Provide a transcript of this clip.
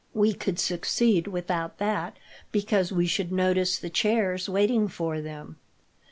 We could succeed without that, because we should notice the chairs waiting for them.